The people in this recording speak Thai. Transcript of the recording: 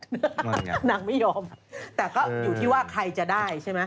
นางไม่ยอมแต่ก็อยู่ที่ว่าใครจะได้ใช่ไหม